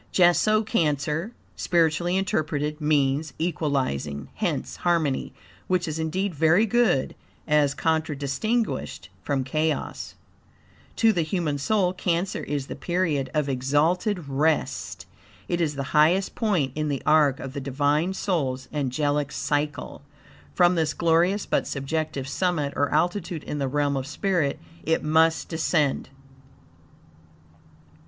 Just so Cancer, spiritually interpreted, means equalizing, hence HARMONY, which is indeed very good as contradistinguished from chaos. To the human soul Cancer is the period of exalted rest. It is the highest point in the arc of the Divine Soul's Angelic Cycle. From this glorious, but subjective, summit or altitude in the realm of spirit it must descend.